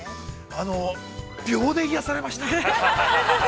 ◆あの秒で癒やされました。